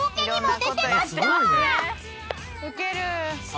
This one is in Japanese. ウケる。